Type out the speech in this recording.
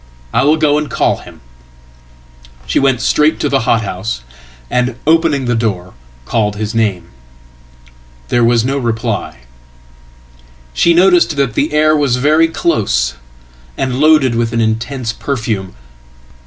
I will go and call him."She went straight to the hothouse, and, opening the door, called his name. There was no reply. She noticed that the air was very close, and loadedwith an intense perfume.